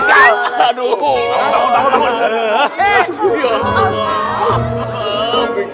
dia masih tidak bernafas